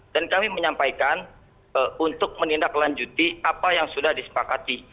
dan kami menyampaikan untuk menindaklanjuti apa yang sudah disepakati